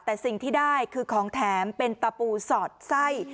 แต่สิ่งที่ได้คือของแถมเป็นตะปูสอดไส้